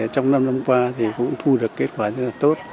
trong năm qua cũng thu được kết quả rất tốt